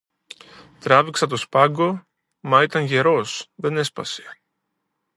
Τράβηξα το σπάγο, μα ήταν γερός, δεν έσπασε